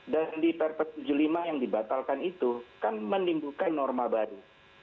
dan di perpres tujuh puluh lima yang dibatalkan itu kan menimbulkan norma baru